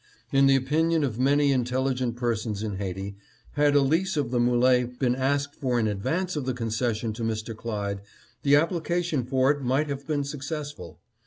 In the opinion of many intelligent persons in Haiti, had a lease of the M61e been asked for in advance of the concession to Mr. Clyde, the application for it might have been successful.